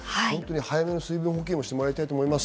早めに水分補給をしてもらいたいと思います。